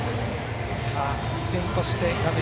依然として画面